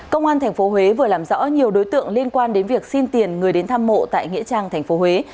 công an tp huế vừa làm rõ nhiều đối tượng liên quan đến việc xin tiền người đến thăm mộ tại nghĩa trang tp huế